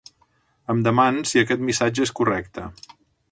Em deman si aquest missatge és correcte.